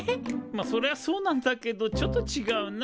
まあそれはそうなんだけどちょっとちがうな。